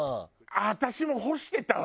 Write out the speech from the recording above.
私も干してたわ。